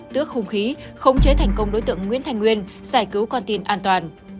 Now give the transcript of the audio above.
tước hung khí khống chế thành công đối tượng nguyễn thanh nguyên giải cứu con tên an toàn